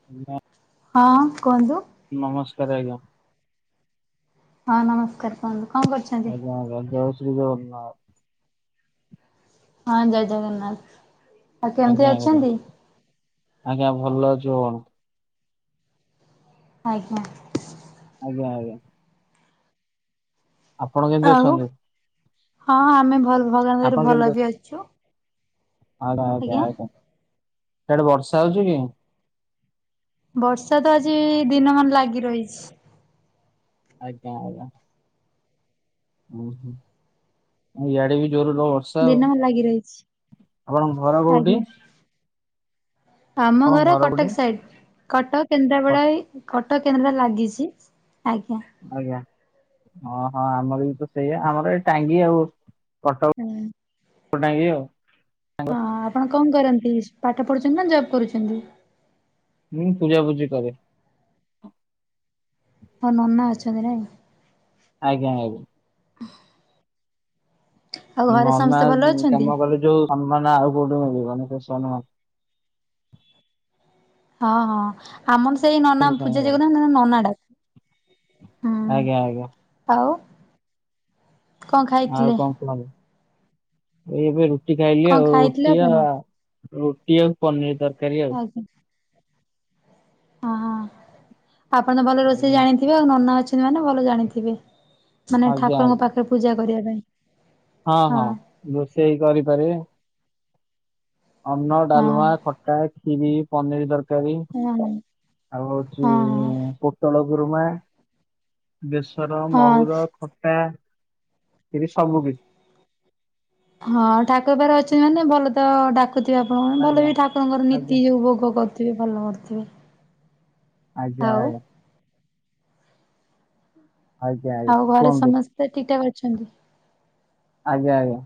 [unintelligible] ହଁ କୁହନ୍ତୁ। ନମସ୍କାରେ ଆଜ୍ଞା। ହଁ ନମସ୍କାର। ତମେ କଣ କରୁଛ? ଆଜ୍ଞା ଆଜ୍ଞା ଜୟ ଶ୍ରୀ ଜଗନ୍ନାଥ। ହଁ ଜୟ ଜଗନ୍ନାଥ। ଆଉ କେମିତି ଆଜ୍ଞା ଆଜ୍ଞା ଅଛନ୍ତି ଆଜ୍ଞା ଭଲ ଅଛୁ କ ଆଜ୍ଞା। ଆଜ୍ଞା ଆଜ୍ଞା। ଆପଣ କେମିତି ଆଉ ଅଛନ୍ତି। ହଁ ଆମେ ଭଲ ଭଗବାନ୍ ଦୟାରୁ ଆପଣ କେମିତି ଭଲ ବି ଅଛୁ। ଆଜ୍ଞା ଆଜ୍ଞା ଆଜ୍ଞା ସେଆଡେ ବର୍ଷା ହଉଛି କି। ବର୍ଷା ତ ଆଜି ଦିନ ମାନ ଲାଗି ରହିଛି। ଆଜ୍ଞା ଆଜ୍ଞା। ଇୟାଡେ ବି ଜୋର ଲୋରର୍ଷ। ଦିନ ଲାଗି ରହିଛି ଘର କୋଉଠି? ଆଜ୍ଞା। ଆମ ଆପଣଙ୍କ ଘରେ ଘର କୋଉଠି କଟକ ସାଇଟ୍। କଟକ କଟ କେନ୍ଦ୍ରାପଡା କଟକ କେନ୍ଦ୍ରା ଲାଗିଛି ଆଜ୍ଞା। ଆଜ୍ଞା ହଁ ହଁ ଆମର ବି ତ ସେଇଆା ଆମର ଏ ଟାଙ୍ଗି ଆଉ କଟକ ହୁଁ। କ ଟାଙ୍ଗି ଆଉ। ହଁ ଆପଣ କଁ କରନ୍ତି ପାଠ ପଢୁଛନ୍ତି ନା ଜବ୍ କରୁଛନ୍ତି। ହୁଁ ପୂଜାପୁଜିି କରେ। ହଁ ନନା ଅଛନ୍ତି ନାଇଁ। ଆଜ୍ଞା ଆଜ୍ଞା। [inaudible] ଆଉ ଘରେ ନନା ସମସ୍ତେ ଭଲ ଅଛନ୍ତି? କାମ କଲେ ଯୋଉ ସନ୍ମାନ ଆଉ କୋଉଠି ମିଳିବନି ସେ ସନ୍ମା ହଁ ହଁ ଆମର ସେଇ ନନା ପୂଜାକରନ୍ତି ନଆମେ ନନାଁ ଡାକୁ ହୁଁ। ଆଜ୍ଞା ଆଜ୍ଞା। ଆଉ କଣ ଆଉ ଖାଇଥିଲେ କଁ କଣବୁ ଏ ଏବେ ରୁଟି ଖାଇଲି କଣ ଆଉ ଖାଇଥିଲେ ରୁଟି ଆ ଆପଣ? ରୁଟି ଆଉ ପନିର୍ ତରକାରୀ। ଆଉ। [inaudible] ଓହୋ ଆପଣ ତ ଭଲ ଆଉ ରୋଷେଇ ନା- ଜାଣିଥିବେ ଆଉ ନନା ଅଛନ୍ତି ମାନେ ଭଲ ଜାଣିଥିବେ। ମାନେ ଆଜ୍ଞା ଠାକୁରଙ୍କ ଆଜ୍ଞା ପାଖରେ ପୂଜା କରିବା ପାଇଁ। ହଁ ହଁ ରୋଷେଇ କରିପାରିବେ। ଅନ୍ନ ହଁ ଡାଲୁମା ଖଟା ଖିର ପନିର ତରକାରି। ହଁ ଆଉ ହଉଛି ହଁ ପୋଟଳ ଗୁରୁମା। ବେସର ହଁ। ମହୁର ଖଟା ଏ ସବୁ କିଛି। ହଁ ଠାକୁର ପାଖରେ ଅଛନ୍ତି ମାନେ ଭଲ ତ ଡାକ ଦେଖୁଥିବେ ଆପଣମାନେ ଭଲ ଆଜ୍ଞା ବି ଠାକୁରଙ୍କର ଆଜ୍ଞା ନୀତି ଯଉ ଭୋଗ କରୁଥିବେ ଭଲ କରିଥିବେ ଆଜ୍ଞା ଆଜ୍ଞା। ଆଜ୍ଞା ଆଜ୍ଞା ଆଉ ଘରେ କୁହନ୍ତୁ ସମସ୍ତେ ଠିକ୍ ଠାକ୍ ଅଛନ୍ତି। ଆଜ୍ଞା ଆଜ୍ଞା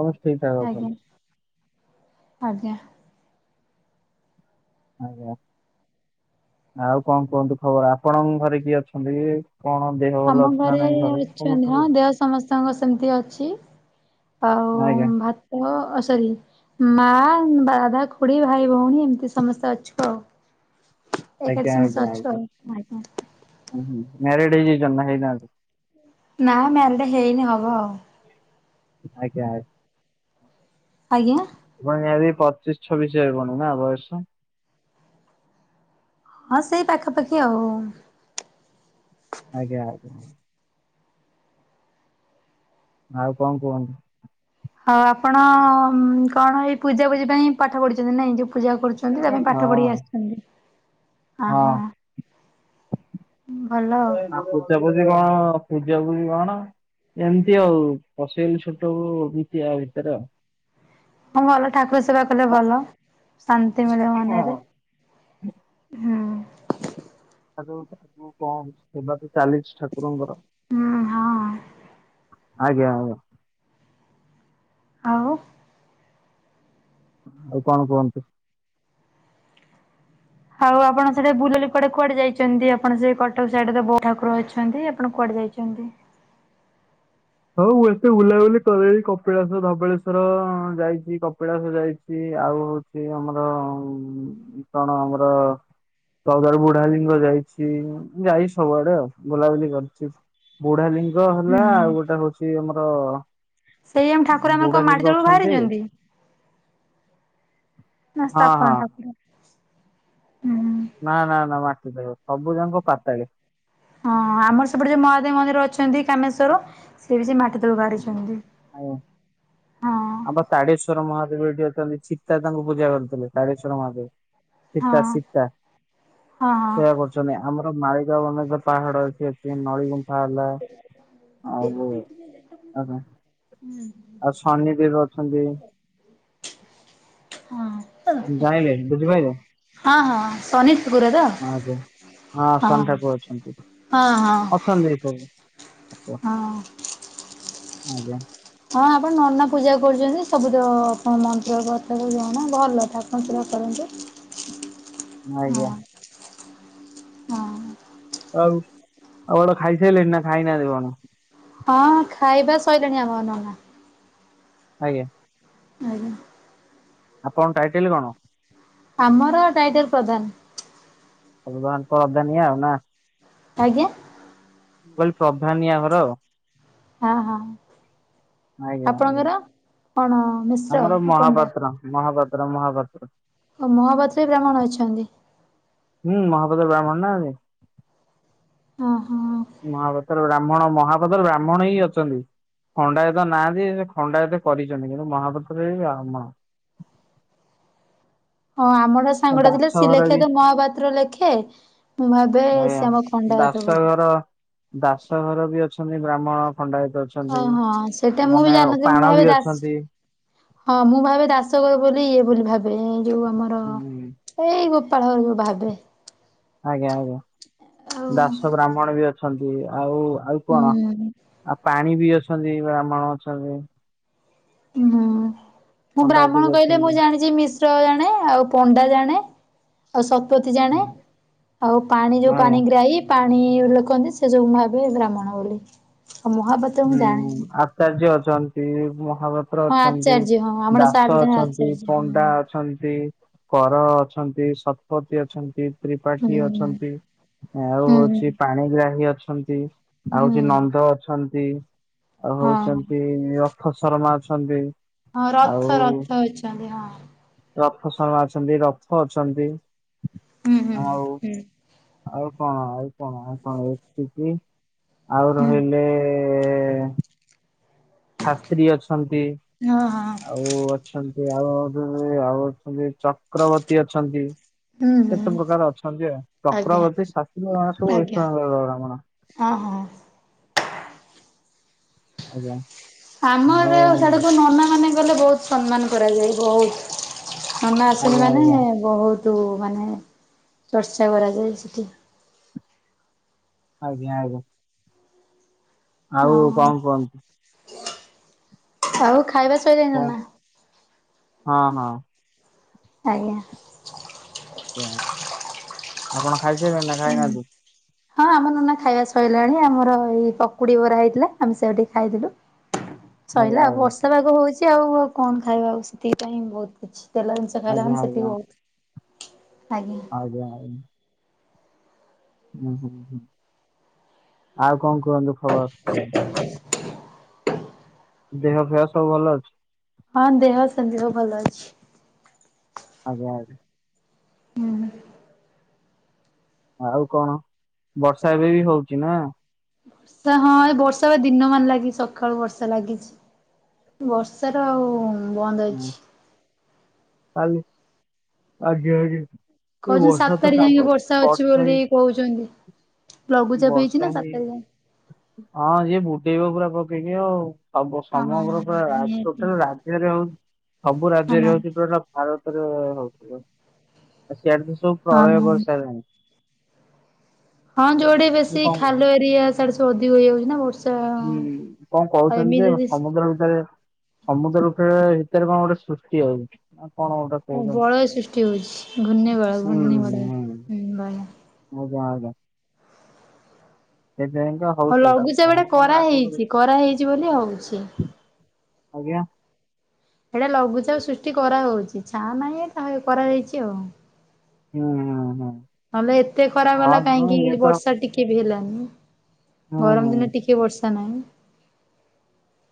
ହବ ଠିକ୍ ଠାକ୍ ଆଜ୍ଞା ଅଛନ୍ତି। ଆଜ୍ଞା। ଆଜ୍ଞା। ଆଉ କଁ କୁହନ୍ତୁ ଖବର ଆପଣଙ୍କ ଘରେ କିଏ ଅଛନ୍ତି କଣ ଦେହ ଭଲ ଆମ ଅଛି ନା ଘରେ ନାଇଁ ଅଛନ୍ତି ସମସ୍ତଙ୍କର ହଁ ଦେହ ସମସ୍ତଙ୍କ ସେମିତି ଅଛି ଆଉ ଆଜ୍ଞା। ଭାତ ଅ ସରି ମା ବାଦା ଖୁଡ଼ି ଭାଇ ଭଉଣୀ ଏମିତି ସମସ୍ତେ ଅଛୁ ଆଉ। ଏକାଠି ସମସ୍ତେ ଅଛୁ ଆଉ ଆଜ୍ଞା। ହଁ, ହଁ। ମ୍ୟାରେଡ ହେଇଯାଇଛନ୍ତି ନାଁ ହେଇନାହାନ୍ତି? ନା ମ୍ୟାରେଡ୍ ହେଇନି ହବ ଆଉ। ଆଜ୍ଞା, ଆଜ୍ଞା। ଆଜ୍ଞା। ମୋର ନିହାତି ପଚିଶ ଛବିଶ ହବଣି ନା ବୟସ। ହଁ ସେଇ ପାଖାପାଖି ଆଉ। ଆଜ୍ଞା। ଆଉ କଣ କୁହ? ହଉ ଆପଣ କଣ ଏଇ ପୂଜା ପୂଜି ପାଇଁ ପାଠ ପଢୁଛନ୍ତି ନାଇଁ ଯୋଉ ପୂଜା କରୁଛନ୍ତି ତା ହଁ ପାଇଁ ପାଠ ପଢି ଆସୁଛନ୍ତି। ଆହା ଆଉ ପୂଜା ପୂଜି କଣ ପୂଜା ପୂଜି କଣ ଏମିତି ଆଉ ଫସେଇଲି ଛୋଟ ବେଳୁ ବିଦ୍ୟା ଆ ଭିତରେ ଆଉ ହଁ ଭଲ ଠାକୁର ସେବା କଲେ ଭଲ ଶାନ୍ତି ମିଳେ ମନରେ। ହୁଁ। ଆ ଆଗକୁ କଣ ହଉଚି ସେବା ତ ଚାଲିଛି ଠାକୁରଙ୍କର। ହୁଁ ହଁ। ଆଜ୍ଞା, ଆଜ୍ଞା। ଆଉ। ଆଉ କଣ କୁହନ୍ତୁ? ଆଉ ଆପଣ ସେଠି ବୁଲୁଡେ କୁଆଡେ କୁଆଡେ ଯାଇଛନ୍ତି? ଆପଣ ସେ କଟକ ସାଇଡରେ ବହୁତ ଠାକୁର ଅଛି। ଅଛନ୍ତି। ଆପଣ କୁଆଡେ ଯାଇଛନ୍ତି? ହଉ, ମୁଁ ଏତେ ବୁଲାବୁଲି କରେନି। କପିଳାସ, ଧବଳେଶ୍ଵର, ଯାଇଛି, କପିଳାସ ଯାଇଛି ଆଉ ସେ ଆମର କଣ ଆମର ଚୈଦାର ବୁଢାଲିଙ୍ଗ ଯାଇଛି। ଯାଇଚି ସବୁଆଡେ ଆଉ ବୁଲାବୁଲି କରିଛି। ବୁଢାଲିିଙ୍ଗ ହେଲା। ହୁଁ। ଆଉ ଗୋଟେ ହଉଛି ଆମର ସେଇ ଆମ ଠାକୁର ଆମର କଣ ମାଟି ବୁଢାଲିିଙ୍ଗ ତଳକୁ ଅଛନ୍ତି। ବାହାରିଛନ୍ତି ନା ହଁ ହଁ ସ୍ଥାପନା ଠାକୁର। ହୁଁ, ହୁଁ ନା, ନା, ନା ମାଟି ତଳୁ, ସବୁ ଜାକ ପାତାଳି। ହଁ ଆମର ସେପଟେ ଯୋଉ ମହାଦେବ ମନ୍ଦିର ଅଛନ୍ତି କାମେଶ୍ୱର ସିଏ ବି ସେ ମାଟି ତଳକୁ ବାହାରିଛନ୍ତି। ହଁ ଆମର ତାଡେଶ୍ଵର ମହାଦେବ ଏଠି ଅଛନ୍ତି। ସୀତା ତାଙ୍କୁ ପୂଜାକରୁଥିଲେ, ତାଡେଶ୍ଵର ମହାଦେବ। ହଁ ସୀତା, ସୀତା, ହଁ ହଁ ସେୟା କରୁଛନ୍ତି। ଆମର ମାଳିଗାଓ ଅନେକ ପାହାଡ ଏଠି ଅଛି। ସେ ନଳି ଗୁମ୍ଫା ହେଲା। ଆଉ ହୁଁ ଉଁ ଆଉ ଶନିଦେବ ଅଛନ୍ତି। ହଁ। ଯାଇଁଲେ, ବୁଝିପାଇଲେ? ହଁ, ହଁ ଶନି ଠାକୁର ତ? ହଁ ହଁ, ଶନି ଠାକୁର ଅଛନ୍ତି ହଁ, ହଁ। ଅଛନ୍ତି ଏସବୁ? ହଁ। ଆଜ୍ଞା। ହଁ ଆପଣ ନନା ପୂଜା କରୁଛନ୍ତି, ସବୁ ତ ଆପଣ ମନ୍ଦିର କଥା ଜଣା ଭଲ ଠାକୁର ପୂଜା କରନ୍ତୁ। ଆଜ୍ଞା। ହଁ ହଁ ଆଉ ଆଉଗୋଟେ ଖାଇସାରିଲଣି ନା ଖାଇନାହାନ୍ତି କଣ? ହଁ, ହଁ ଖାଇବା ସଇଲାଣି ଆମର ନନା। ଆଜ୍ଞା। ଆଜ୍ଞା। ଆପଣ ଟାଇଟେଲ କଣ? ଆମର ଟାଇଟେଲ ପ୍ରଧାନ। [unintelligible] ପ୍ରଧାନିଆ ନା। ଆଜ୍ଞା। କହିଲେ ପ୍ରଧାନିୟା ଘର ଆଉ ହଁ ହଁ ଆଜ୍ଞା ଆଜ୍ଞା। ଆପଣଙ୍କର କଣ ମିଶ୍ର ଆମର ନା ପଣ୍ଡା? ମହାପାତ୍ର ମହାପାତ୍ର, ମହାପାତ୍ର। ଓ ମହାପାତ୍ର ରୁ ବ୍ରାହ୍ମଣ ଅଛନ୍ତି? ହୁଁ ମହାପାତ୍ର ବ୍ରାହ୍ମଣ ନାହାନ୍ତି? ହଁ ହଁ ମହାପାତ୍ରର ବ୍ରାହ୍ମଣ, ମହାପାତ୍ରର ବ୍ରାହ୍ମଣ ହିଁ ଅଛନ୍ତି। ଖଣ୍ଡାଏତ ନାହାନ୍ତି, ସେ ଖଣ୍ଡାଏତ କରିଛନ୍ତି, କିନ୍ତୁ ମହାପାତ୍ରରେ ବ୍ରାହ୍ମଣ ହଁ ଆମର ସାଙ୍ଗଟା ଥିଲା, ଦାସ ସିଏ ଘର ଲେଖେ ବି ତ ମହାପାତ୍ର ଲେଖେ, ମୁଁ ଭାବେ ସି ଆମ ଖଣ୍ଡାଏତ ବୋଧେ ଦାସଘର ବି ଅଛନ୍ତି, ବ୍ରାହ୍ମଣ ଖଣ୍ଡାୟତ ଅଛି। ଓହୋ ସେଇଟା ଅ ମୁଁ ବି ମାନେ ଜାଣିନଥିଲି ମୁଁ ପାଣ ଭାବେ ବି ଦାସ ଅଛନ୍ତି। ହଁ ମୁଁ ଭାବେ ଦାସ କ ବୋଲି ଇଏ ବୋଲି, ଭାବେ ଏ ଯୋଉ ଆମର ହୁଁ ଏଇ ଗୋପାଳ ହରୁ ମୁଁ ଭାବେ। ଆଜ୍ଞା ଆଜ୍ଞା, ଆଉ ଦାସ ବ୍ରାହ୍ମଣ ବି ଅଛନ୍ତି ଆଉ ଆଉ କଣ? ହୁଁ। ଆଉ ପାଣି ବି ଅଛନ୍ତି ବ୍ରାହ୍ମଣ ଅଛନ୍ତି। ଉ ହୁଁ, ମୁଁ ପଣ୍ଡାତି ବ୍ରାହ୍ମଣ ବି କହିଲେ ମୁଁ ଅଛନ୍ତି। ଜାଣିଛି ମି ଶ୍ର ଜାଣେ, ଆଉ ପଣ୍ଡା ଜାଣେ, ଆଉ ସତ ତ୍ପଥି ଜାଣେ, ଆଉ ପାଣି ଯୋଉ ପାଣି ଆଜ୍ଞା ଗ୍ରାହୀ ପାଣି ଲେଖନ୍ତି, ସେ ସବୁ ମୁ ଭାବେ ବ୍ରାହ୍ମଣ ବୋଲି, ଆଉ ମହାପା ହୁଁ ଆଚାର୍ଯ୍ୟ ଅଛନ୍ତି, ମହାପାତ ଠର ହଁ ଅଛନ୍ତି ଆଚାର୍ଯ୍ୟ ହଁ ଆମର ଦାସ ସାର୍ ଜଣେ ଅଛନ୍ତି ଆଚାର୍ଯ୍ୟ ହଁ ପଣ୍ଡା ହଁ। ଅଛନ୍ତି କର ଅଛନ୍ତି ଶତପଥୀ ଅଛନ୍ତି ହୁଁ ତ୍ରିପାଠୀ ହୁଁ ଅଛନ୍ତି ଆଉ ହୁଁ ହଉଛି ପାଣିଗ୍ରାହୀ ଅଛନ୍ତି ଆଉ ହଉଛି ହୁଁ ନନ୍ଦ ଅଛନ୍ତି ଆଉ ହଁ ହଉଛନ୍ତି ରଥ ଶର୍ମା ଅଛନ୍ତି ହଁ ଆଉ ରଥ ରଥ ଅଛନ୍ତି ହଁ ରଥ ସମୟ ଅଛନ୍ତି ରଥ ଅଛନ୍ତି ହୁଁ ହୁଁ ଆଉ ହୁଁ ଆଉ କଣ ଆଉ କଣ ଆଉ କଣ ଏତିକି ଆଉ ହୁଁ ରହିଲେ ଏ ଶାସ୍ତ୍ରୀ ଅଛନ୍ତି ହଁ ହଁ ଆଉ ଅଛନ୍ତି ଆଉ ଆଉ ଅଛନ୍ତି ଚକ୍ରବର୍ତ୍ତୀ ଅଛନ୍ତି ହୁଁ ହୁଁ କେତେ ପ୍ରକାର ଅଛନ୍ତି ଆ ଆଜ୍ଞା ଚକ୍ରବର୍ତ୍ତୀ ଶାସ୍ତ୍ରୀ ଏମାନେ ସବୁ ଆଜ୍ଞା ଏକା ବ୍ରହ୍ମଣ ହଁ ହଁ ଆଜ୍ଞା ଆମର ଆଉ ସିଆଡ଼େ କଣ ନନା ମାନେ ଗଲେ ବହୁତ ସମ୍ମାନ କରାଯାଏ ବହୁତ ନନା ଆସିଲେ ଆଜ୍ଞା ମାନେ ଆଜ୍ଞା ବହୁତ ମାନେ ଚର୍ଚ୍ଚା କରାଯାଏ ସେଠି ଆଜ୍ଞା ଆଜ୍ଞା ଆଉ କଣ କୁହନ୍ତୁ ହଁ ଆଉ ଖାଇବା ସେ [inaudible] କଣ ନା ହଁ ହଁ। ଆଜ୍ଞା ଆଜ୍ଞା ଆପଣ ଖାଇ ସାଇଲେଣି ନା ଖାଇନାହାନ୍ତି ହଁ ଆମ ମାନ ଖାଇବା ଶଇଲାଣି ଆମର ଏଇ ପକୁଡି ବରା ହେଇଥିଲା ଆମେ ସେଇଆ ଟିକେ ଖାଇଦେଲୁ [inaudible] ସରିଲା ଆଉ, ଆଜ୍ଞା ବର୍ଷା ପାଗ ହଉଛି ଆଉ କଣ ଖାଇବା ଆଉ, ସେତିକିଟାହିଁ ବହୁତ କିଛି। ତେଲ ଜିନିଷ ଖାଇଲା ଆଜ୍ଞା ମାନେ ସେତିକି ଆଜ୍ଞା। ବୋହୁତ, ଆଜ୍ଞା। ଆଜ୍ଞା। ହୁଁ ହୁଁ ହୁଁ, ଆଉ କଣ କୁହନ୍ତୁ? ଖବର [unintelligible] ଦେହ ଫେହ ସବୁ ଭଲ ଅଛି? ହଁ, ଦେହ ସେମିତି ସବୁ ଭଲ ଅଛି। ଆଜ୍ଞା। ହୁଁ। ଆଉ, କଣ ବର୍ଷା ଏବେ ବି ହଉଛି ନା? ବର୍ଷା ହଁ, ଏ ବର୍ଷା ବା ଦିନ ମାନ ଲାଗିଛି, ସକାଳୁ ବର୍ଷା ଲାଗିଛି। ବର୍ଷା ର ଆଉ ବନ୍ଦ ଅଛି। ଆଜ୍ଞା ଆଜ୍ଞା। କହୁଛନ୍ତି ସାତ ତାରିଖ ଯାଏଁ ବର୍ଷା ଅଛି ବୋଲି, ହେଇ କହୁଛନ୍ତି ଲଘୁଚାପ ହେଇଛି ବର୍ଷା ନା ସାତ ହେଇ ତାରିଖ ଯାଏ ହଁ, ସିଏ ବୁଡେଇବ ପୁରା ପକେଇକି ଆଉ। ସମଗ୍ର ହଁ ପୁରା ନିହାତି ଟୋଟାଲ ରାଜ୍ୟରେ ହଉଛି, ସବୁ ରାଜ୍ୟରେ ହଁ ହଉଛି ପୁରା ଭାରତରେ ହଉଥିବ, ଆ ସିଆଡେ ତ ସବୁ ପ୍ରଳୟ ହଁ। କରିସାରିଲାଣି। ହଁ, ଯୋଉଠେ ଇଏ ବେଶୀ କଣ ନା ଖାଲ ଏରିଆ ସିଆଡେ ସବୁ ଅଧିକ ହେଇଯାଉଛି ନା ବର୍ଷା। ହୁଁ, କଣ ଆଉ କହୁଛନ୍ତି ଏମିତି ଯେ, ଯଦି ସମୁଦ୍ର ଭିତରେ ସମୁଦ୍ରଭିତରେ ଭିତରେ କଣ ଗୋଟେ ସୃଷ୍ଟି ହଉଛି, ନା କଣ ଗୋଟେ? କହୁଛନ୍ତି ବଳୟ ସୃଷ୍ଟି ହଉଛି, ଘୂର୍ଣ୍ଣି ବଳୟ, ଘୂର୍ଣ୍ଣିବଳୟ। ଆା ଆା [unintelligible] ସେଥିାଇ [unintelligible] ହଁ, ଲଘୁଚାପଟା କରାହେଇଛି, କରାହେଇଛି ବୋଲି ହଉଛି। ଆଜ୍ଞା। ସେଇଟା ଲଘୁଚାପ ସୃଷ୍ଟି କରାହଉଛି, ଛା ନାହିଁ ତାହା କରାଯାାଇଛି ଆଉ। ହୁଁ ହୁଁ ହୁଁ। ନହଲେ ଏତେ ହଁ ଖରାଗଲା, ମୁଁ କାହିଁକି ଇଏ ତ ବର୍ଷା ଟିକେ ବି ହେଲାନି। ହୁଁ ଗରମ୍ ଦିନେ ଟିକେ ବର୍ଷା ନାହିଁ।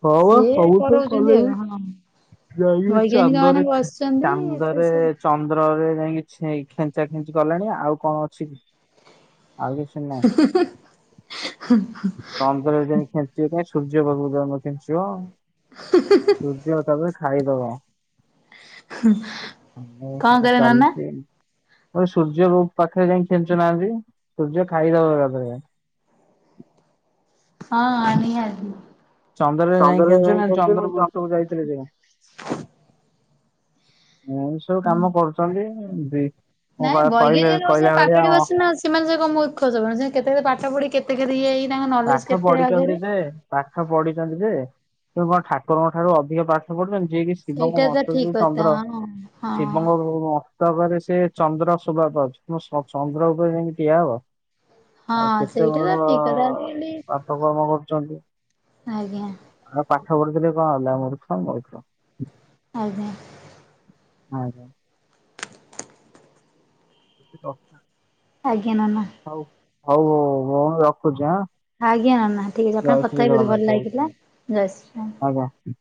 ହଁ ବା ସିଏ ସବୁ ତ କରଉଛନ୍ତି କଲେଣି। ଆଉ ହଁ ଯାଇଁକି ବୈଜ୍ଞାନିକ ମାନେ ଚାନ୍ଦରେ, ବସିଛନ୍ତି ସେ ଚାନ୍ଦରେ ସେ ଚନ୍ଦ୍ରରେ ଯାଇଁକି ଖେଞ୍ଚା ଖେଞ୍ଚି କଲେଣି ଆଉ କଣ ଅଛି କି ଆଉ ନାହିଁ ହି-ହି-ହି-ହି-ହି। [unintelligible] ଚନ୍ଦ୍ରରେ ଯାଇ ଖେଞ୍ଚିବ କାଇଁ, ସୂର୍ଯ୍ୟପାଖକୁ ଯାଉନ ଖେଞ୍ଚିବ। ହୁଁ-ହୁଁ-ହୁଁ। [unintelligible] ସୂର୍ଯ୍ୟ ଏକାଥରେ ଖାଇଦବ। କଣ ଆ କରେ ନନା ଚାଲିଚି ମୁଁ କହିଲି ସୂର୍ଯ୍ୟଙ୍କ ପାଖରେ ଯାଇ ଖେଞ୍ଚୁ ନାହାନ୍ତି, ସୂର୍ଯ୍ୟ ଖାଇଦବ ଏକାଥରେ। ହଁ ଆଣିଲି ଆଜି। ଚନ୍ଦ୍ରରେ ଯାଇ ଖେଞ୍ଚୁ ନହେଲେ ଚନ୍ଦ୍ର ପୃଷ୍ଠକୁ ଯାଇ ଖେଞ୍ଛୁ। ଏମତି ସବୁ କାମ କରୁଚନ୍ତି, ବି କହିଲେ କହିଲା ଭଳିଆ ନାଁ ସେମାନେ ସେ କଣ ମୂର୍ଖ ସେମାନେ, ସେମାନେ କେତେ-କେତେ ପାଠ ପଢି କେତେ-କେତେ ଇଏ ହେଇକି ତାଙ୍କ ନଲେଜ୍ ପାଠ କେତେ ପଢିଛନ୍ତି ଆଗେରେ। ଯେ ପାଠ ପଢିଛନ୍ତି ଯେ, ସେ କଣ ଠାକୁରଙ୍କ ଠାରୁ ଅଧିକ ପାଠ ପଢିଚନ୍ତି, ଯିଏ କିି ଶିବଙ୍କ ସେଇଟା ତ ମସ୍ତକରେ ଠିକ ଯୋଉ କଥା ଚନ୍ଦ୍ର, ହଁ ହଁ। ଶିବଙ୍କ ମସ୍ତକରେ ସେ ଚନ୍ଦ୍ର ଶୋଭା ପାଉଚି, ତୁମେ ଚନ୍ଦ୍ର ଉପରେ ଯାଇଁକି ଠିଆ ହବ? ଆଉ ହଁ କେତେ ସେଇଟା ତ ବଡ! ଠିକ କଥା ଆଜିକାଲି ପାପ କାମ କରୁଚନ୍ତି। ଆଜ୍ଞା ଆମେ ପାଠ ପଢିଥିଲେ କଣ ହେଲା ମୂର୍ଖ ମୂର୍ଖ। ଆଜ୍ଞା। ଆ [unintelligible] ଆଜ୍ଞା ନନା। ହଉ ହଉ ହଉ ହଉ ଭଉଣୀ ରଖୁଚି ଆଁ? ଆଜ୍ଞା ନନା ଠିକ୍ [unintelligible] ଜୟ କଥା ଶ୍ରୀ ହେଇକି ଜଗନ୍ନାଥ ଭଲ ଜୟ ଲାଗିଲା ଶ୍ରୀ ଜୟ ଶ୍ରୀରାମ୍। ଆଜ୍ଞା।